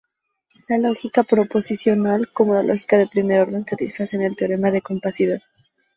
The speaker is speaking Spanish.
La lógica proposicional como la lógica de primer orden satisfacen el teorema de compacidad.